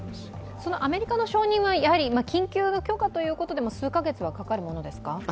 そのアメリカの承認は緊急の許可ということでも数カ月はかかるものですか？